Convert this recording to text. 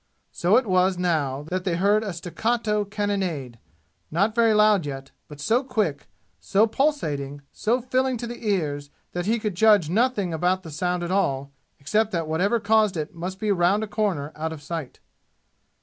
So it was now that they heard a staccato cannonade not very loud yet, but so quick, so pulsating, so filling to the ears that he could judge nothing about the sound at all, except that whatever caused it must be round a corner out of sight.